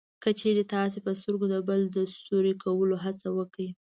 که چېرې تاسې په سترګو د بل د سوري کولو هڅه وکړئ